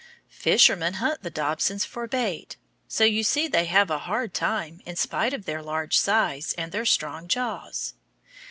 Fishermen hunt the dobsons for bait; so you see they have a hard time in spite of their large size and their strong jaws.